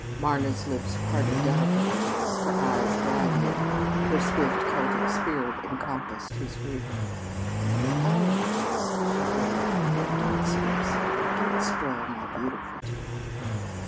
Mama's lips parted delicately; her eyes widened; her swift Celtic spirit encompassed his grief. "Oh!" she breathed. "Don't speak so! Don't spoil my beautiful time!"